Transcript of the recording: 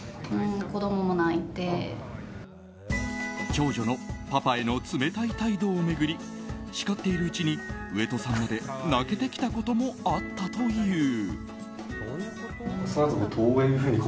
長女のパパへの冷たい態度を巡り叱っているうちに上戸さんまで泣けてきたこともあったという。